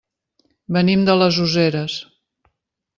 Venim de les Useres.